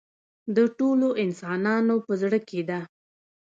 د ټولو انسانانو په زړه کې ده.